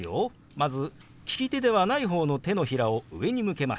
まず利き手ではない方の手のひらを上に向けます。